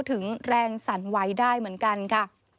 ถึงแรงสั่นไหวได้เหมือนกันค่ะ